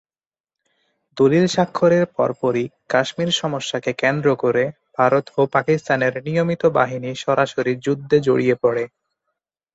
দলিল স্বাক্ষরের পরপরই কাশ্মীর সমস্যাকে কেন্দ্র করে ভারত ও পাকিস্তানের নিয়মিত বাহিনী সরাসরি যুদ্ধে জড়িয়ে পড়ে।